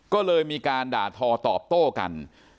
ก็เลยมีการด่าทอตอบโต้กัน